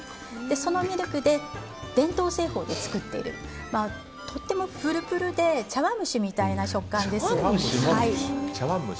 そのミルクで伝統製法で作っているとてもプルプルでケーキみたいだけどね。